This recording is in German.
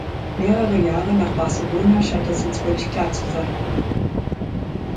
Mehrere Jahre nach Barcelona scheint das jetzt völlig klar zu sein.